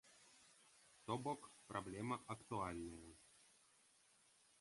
То бок праблема актуальная.